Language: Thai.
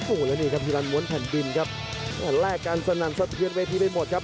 โอ้โหแล้วนี่ครับฮิรันม้วนแผ่นดินครับแลกกันสนั่นสะเทือนเวทีไปหมดครับ